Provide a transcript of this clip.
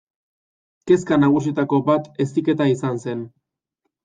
Kezka nagusienetako bat heziketa izan zen.